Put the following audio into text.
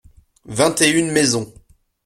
Vingt et une maisons.